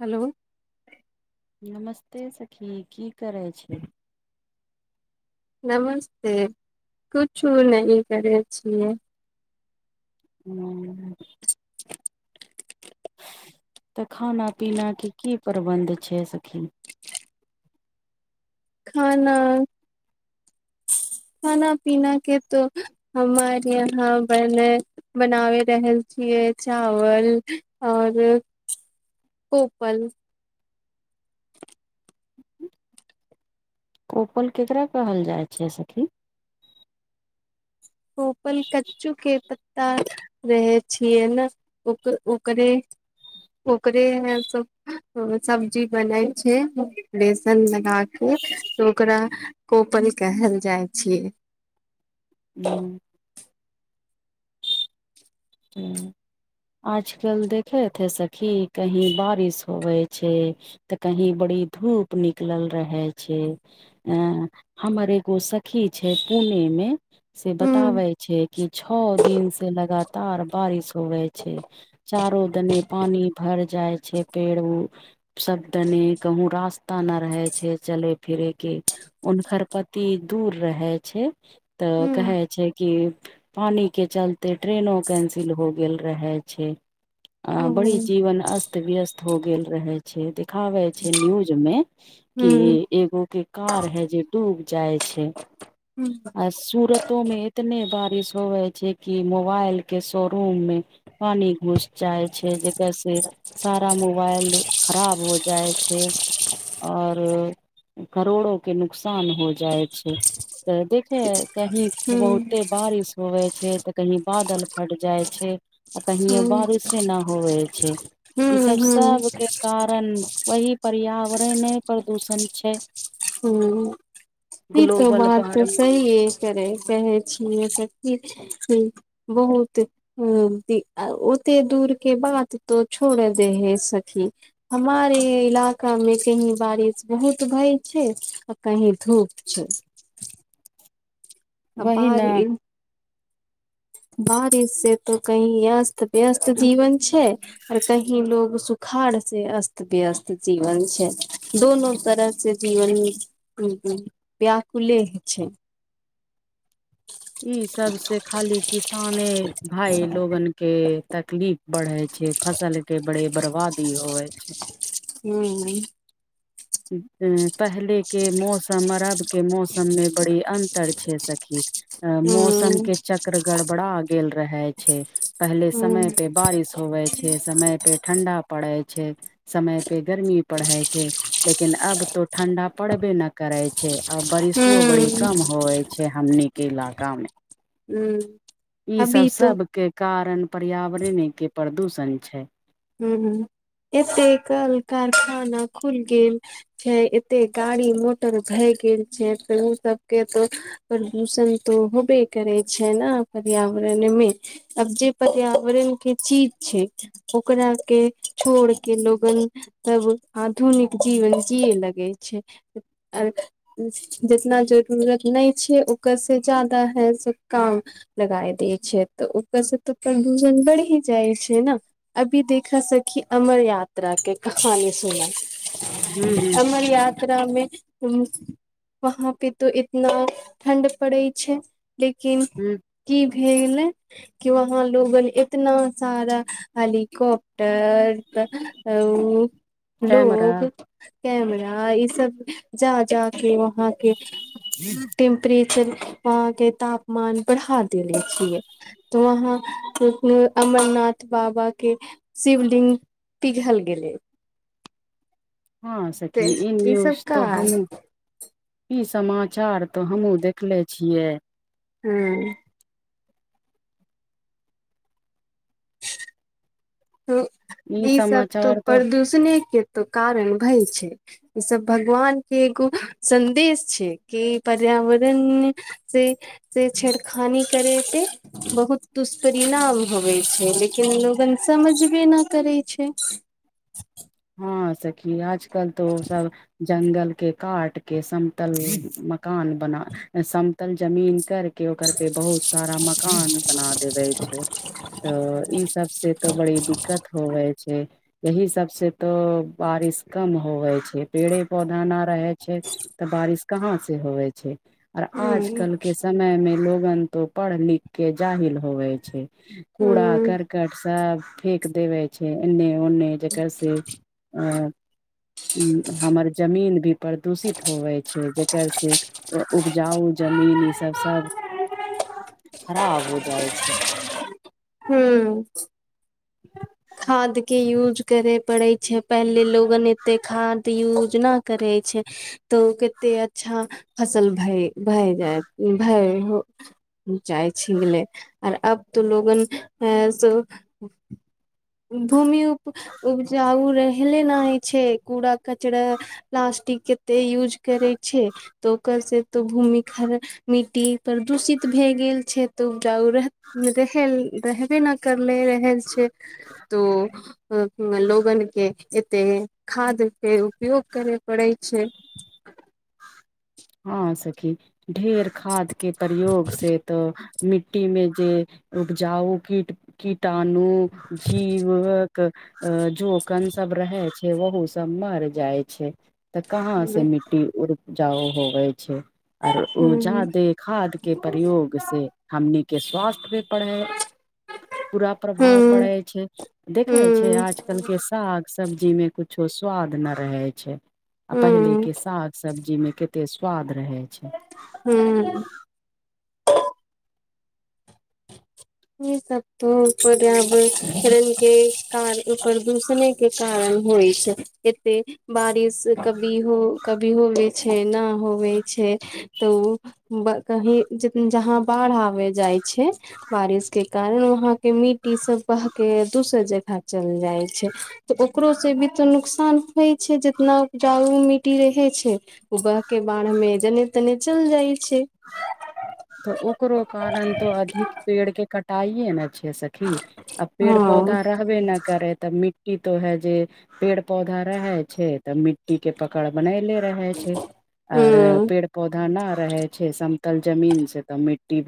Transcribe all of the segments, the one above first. Hello. नमस्ते सखी। कि करै छै? नमस्ते। कुछो ने करे छियै। ह छै तऽ खाना पीना के कि प्रबन्ध छै सखी? खाना। खाना पीना के तो हमारे यहा बने बनावे रहल छियै चावल और। ओ पं कोपल केकरा कहल जाई छै सखी। उपल कच्चू के पत्ता रहै छियै ने ओक ओकरे। ओकरे हैल सभ सब्जी बनैल छै। बेसन लगा कऽ तऽ ओकरा कोपल कहल जाई छियै। ह ह आज कल देखे छैथ सखी कही बारिश होवे छै तऽ कही बड़ी धूप निकल रहै छै। ऐ हमर एगो सखी छैय पुणे मे से हूँ बताबै छै कि छैह दिन से लगा बाहर बारिश होवे छै चारो दने पानी भर जाए छै पेड़ सभदने कहूँ रास्ता न रहै छै चले फिरै के। उनकर पती दूर रहे छै। तऽ हूँ कहै छै कि पानि के चलते ट्रेनो कैसिल हो गेल रहे छै आ बड़ी हूँ जीवन अस्त- व्यस्त हो गेल रहे छै देखाबै छै न्यूज मे हूँ कि- एगो के कार है जे डूब जाय छै हूँ ब आ सूरतो मे एतने बारिश होवे छै कि मोबाइल के शोरूम मे पानि घुस जाय छै जेकर स सारा मोबाएल खराब हैं जाए छै। और करोड़ो के नुकसान हो जाई छै। तऽ देखे कही हूँ बहुते बारिश होवे छै तऽ कही बादल फट जाए छै ह कहीये बारिशे न होवे छै ह ई सभ ह सभ के कारण वही पर्यावरणे प्रदूषण छै। हू ई तऽ ग्लोबल बात वार्मिंग सहिये करे कहै छियै किछ -किछ। बहुत। हू ओते दूर के बात तो छोड़ दे हे सखी। हमार ऐ इलाका मे कही बारिश बहुत भय छैय तऽ कहीं धूप। अच्छा आ वही भार ने बारिश से त कही अस्त व्यस्त जीवन छैय और कही लोग सुक घर से अस्त-व्यस्त जीवन छै दोनो तरह सँ जीवन हूँ व्यकुले छै। ई सभ से खाली किसाने भाय लोगन के तकलीफ बढ़े छै फसल के बड़े बर्बादी होइ छै। हू ऐ पहले के मौसम और अब के मौसम मे बड़ी अन्तर छै सखीअ मौसम हूँ के चक्र गड़ बड़ा गेल रहा छै। पहले हूँ समय पे बारिश होवे छै। समय पे ठण्डा पड़े छै। समय पे गर्मी पड़े छै लेकिन अब तो ठंडा पड़बे न करे छै। अ बारिशो बड़ी हूँ कम होवे छै। हमनी के इलाका में। हूँ इ सभ अभी तो सभ के कारण पर्यावरणें के प्रदूषण छैय हूँ हूँ एते कल कारखाना खुल गेल छै। एते गाड़ी मोटर भए गेल छै। फेर ओ सभ के तो। परदूषण तऽ होबे करै छै। न पर्यावरण में। अब जे पर्यावरण के चीज छै। ओकरा के छोड़ के लोगन तब आधुनिक जीवन जिए लगै छै। जितना जरूरत ने छै। ओकर से जायदा है सभ काम लगाए दै छै। तऽ ओकर सभ तऽ प्रदूषण बढ़िजाए छै। ने। अभी देखा सखी अमर यात्रा के कहानी सुना हूँ हूँ अमर यात्रारा कटरा में उँ वहाँ पे तऽ इतना ठण्ड पड़ै छैय लेकिन हूँ की भेगले कि वहाँ लोगन इतना सारा हेलिकॉप्टर तअ उ कैमरा लोग कैमरा ई सभ जा जा के वहाँ के टेम्प्रेचर अ के तापमान बढ़ा देले छियै त वहाँ अम् अमरनाथ बाबा के शिवलिंग पिघल गेलै हँ सखी ई सब न्यूज तऽ कार हमहु ई समाचार तो हमहुँ देखले छियै ह ई सभ तो समाचार तऽ परदूषणे के तो कारण भइल छै। ई सभ भगवान के एगो सन्देश छै। कि पर्यावरण। से से छेड़खानी करे के बहुत दुष्परिणाम होवे छै। लेकिन लोगन। समझबे न करै छै। हँ सखी आजकल तो सभ जंगल के काट के समतल मकान बना समतल जमीन करके ओकर पे बहुत सारा मकान बना देवे छै। तऽ ई सभ से तो बड़ी दिक्कत होवे छै। यही सभ से त बारिश कम होवे छै। पेड़े पौधा ना रहै छै। तऽ बारिश कहाँ से होवे छै। आर ह आज कल के समय में लोगन तो पढ़ लिख के जाहिल हो गएल छै। कूड़ा ह करकट सभ फेक देवै छै। एन्ने ओन्ने जकर से। अं अम् हमर जमीन भी परदूषित होवै छै। जकर से उपजाउ जमीन ई सभ सभ खराब हो जाइ छै। ह्म्म खाद के यूज करे। पड़ैत छै। पहिले लोगन एते खाद यूज न करै छै। तो कते अच्छा फसल भए भए जाय भए हो। जाए छी ले आर अब तऽ लोगन ऐं सो भूमि उप उपजाउ रेहले नाय छै कूड़ा कचड़ा पलास्टिक केते यूज केरै छै, तऽ ओकर से त भूमि खर मिट्टी परदूषित भए गेल छै। तो उपजाउ रह रेहले रहबे न करले रहेल छै। तो लोगन के एते खाद के उपयोग करै पड़ै छै। हँ सखी, ढेर खाद के प्रयोग से तऽ मिट्टी मे जे उपजाउ कीट कीटाणु, जीवक, अ जोकन सब रहै छै। ओहू सब मर जाइ छै, तऽ कहां से ह मिट्टी उपजाऊ होव। होय छै आर उ ह जा दे खाद के प्रयोग से हमनी के स्वास्थ्य पे पड़ै। पूरा ह प्रभाव पड़ै छै देखै छै आजकल के साग सब्जी मे कुछो स्वाद न रहै छै ह आ पहिले के साग सब्जी मे केते एते स्वाद रहै छै हूँ ई सब तो पर्यबरन कार इ परदूषणे के कारण होइ छै। एते बारिश कबी कभी हो कभी होवे छै न होवे छै तऽ उ ब कही ज अ जहाँ बाढ़ आबे जाइ छै। बारिस के कारण वहां के मिट्टी सब बह के दुसह जगह चल जाय छै। तऽ ओकरोसे बी तऽ नुकसान होइत छै जितना उपजाऊ मिट्टी रहै छै। उगह के बाढ़ मे जने तने चल जाइ छै। तऽ ओकरो कारण तो अधिक पेड़ के कटाइए न छै स आ पेड़ हँ पौधा रहबे ना करे तऽ मिट्टी तो है जे पेड़ पौधा रहे छै तऽ मिट्टी के पकड़ मे नै ले रह छै आर ह पेड़ पौधा न रहै छै समतल जमीन से तऽ मिट्टी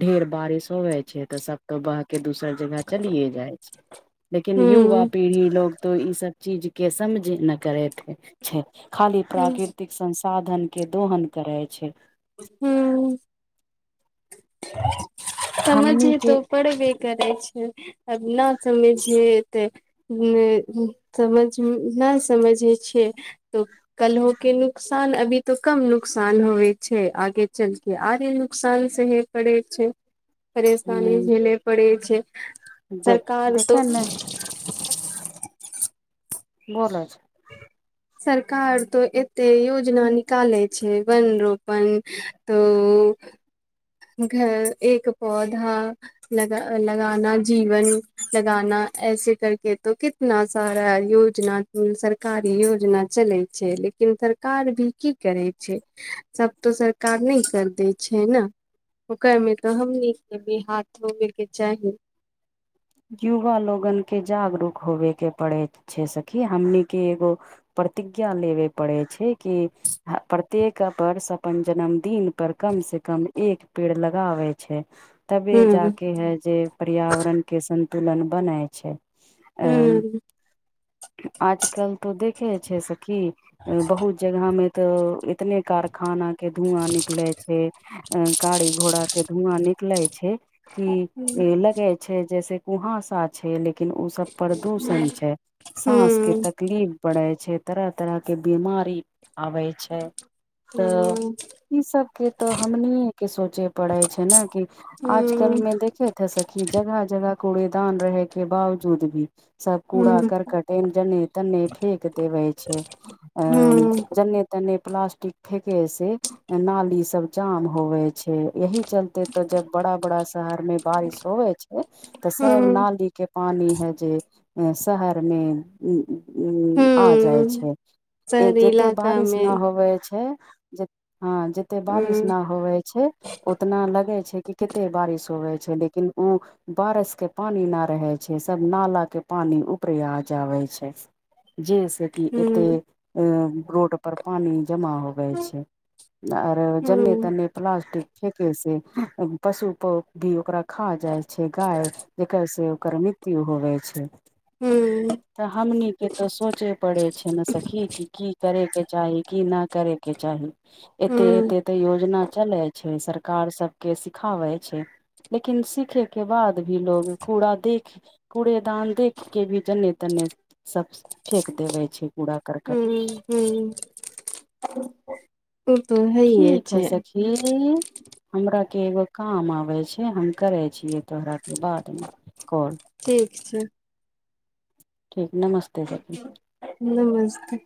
ढेर बारिश होवे जाय छै तऽ सब त बह के दोसर जगह चलियए जाइ लेकिन ह युवा पीढ़ी लोग तो ई सब चीज के समझे न करेथे खाली ह प्राकृतिक संसाधन के दोहन करै छै हूँ [inaudible] हमनी समझे के तोऽ परबे करै छै आब न समझ हे एतऽ समझ ना समझे छियै तो कल्हो के नुकसान अभी तो कम नुकसान होवे छै आगे चलके आरे नुकसान से हे करै छै परेशानी झेले पड़ै छै दे सरकार तो देखे ने बोल आछै जठ [unintelligible] सरकार तो एते योजना निकालै छै वन रोपण तोऽ घर एक पौधा लगा लगाना जीवन लगाना ऐसे करके तो कीत ना सारा योजना सर कार्य योजना चलै छै लेकिन कार भी की करै छै सब तो सरकार नै कर दै छै न ओकर मे तऽ हमनी सब कऽहाथ धोबे केँ चाही युवा लोगन केँ जागरूक होबे केँ पड़े छै सखी हमने एगो प्रतिज्ञा लेबे पड़ै छै कि प्रत्येक वर्ष अपन जन्मदिन पर कम स कम एक पेड़ लगाबै छै तबे हूँ जाके है जे पर्यावरण केँ संन्तुलन बनै छै [unintelligible] हूँ आज कल तो देखे छै से की बहुत जगह में तऽ एतने कारखाना केँ धुआँ निकले छै गाड़ी घोड़ा केँ धुआँ निकले छै हूँ कि लगे छै जैसे कुहासा छै लेकिन ओ सब प्रदूषण छै सााँस केँ हूँ तकलीफ बढ़े छै तरह तरह कऽ बीमारी आबे छै [inaudible] तऽ हूँ ई सब केँ तऽ हमनिये केँ सोचे पड़े छै न की आज कल में देख सखी जगह जगह कूड़ेदान रह केँ बावजूद भी सब कूड़ा हूँ करकट तै में जन्ने तन्ने फेेक देबे छै अ हूँ जन्ने तेन्ने प्लासटिक फेके से नाली सब जाम होव छै यह चलते तऽ जब बड़ा बड़ा शहर में बारिश होवे छै तऽ सब हूँ नाली केँ पानी है जे शहर में [unintelligible] आ जाइ हूँ छैय शहरी जते इलाका बारिश मे ना होवे छैय जे हँ जतेक बारिश हूँ ना होवै छैय उतना लगे छैय कि कते बारिश होबे छैय लेकिन उऽ बारिश केँ पानी ना रहे छै सब नाला केँ पानी ऊपरे आ जाबे छै जैसै कि एते हूँ अ रोड पर पानी जमा हो रहे है [inaudible] आर जन्ने हूँ तन्ने प्लास्टिक फेके से पशु प भी ओकरा खा जाइ छैय गाय जकर से ओकर मृत्यु होवै छैय। हूँ तऽ हमनी केँ तऽ सोचय पड़ै छैय न सखी कि की करय केँ चाही की ना करयकेँ चाही। एते हूँ एते तऽ योजना चलै छैय सर कार सब केँ सिखाबै छैय लेकिन सीखे केँ बाद भी लोग कूड़ा देख कूड़ेदान देख केँ भी जन्ने तन्ने सब फेक देबे छैय कूड़ा करकट हु [unintelligible] ओ तो हैय। ठीक है सखी हमरा केँ एगो काम आबे छैय हम करे छियै तोहराक कऽ बाद म कॉल। ठीक छैय। ठीक नमस्ते सखी। [inaudible] नमस्ते